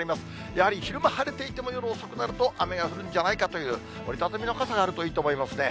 やっぱり昼間晴れていても、夜遅くなると雨が降るんじゃないかという、折り畳みの傘があるといいと思いますね。